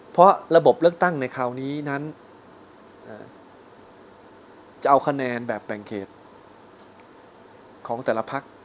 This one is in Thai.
เพราะระบบเลือกตั้งในคราวนี้นั้นจะเอาคะแนนแบบแบ่งเขตของแต่ละพัก